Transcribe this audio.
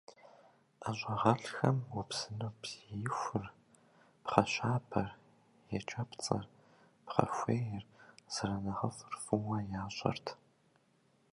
ӀэщӀагъэлӀхэм убзыну бзиихур, пхъэщабэр, екӀэпцӀэр, пхъэхуейр зэрынэхъыфӀыр фӀыуэ ящӀэрт.